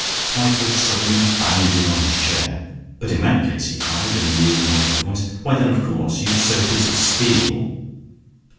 Twyford suddenly bounded on his chair. "But in that case," he cried, in a new and altered voice, "why then of course You said a piece of steel